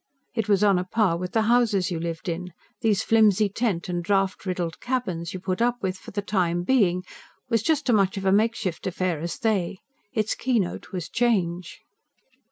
It was on a par with the houses you lived in these flimsy tents and draught riddled cabins you put up with, "for the time being" was just as much of a makeshift affair as they. Its keynote was change.